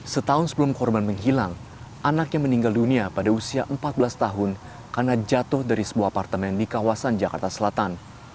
setahun sebelum korban menghilang anaknya meninggal dunia pada usia empat belas tahun karena jatuh dari sebuah apartemen di kawasan jakarta selatan